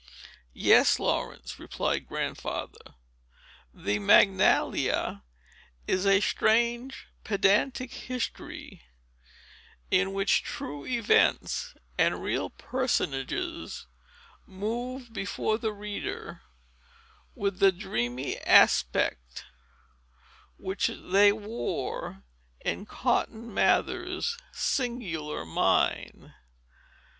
"Yes, Laurence," replied Grandfather. "The Magnalia is a strange, pedantic history, in which true events and real personages move before the reader, with the dreamy aspect which they wore in Cotton Mather's singular mind.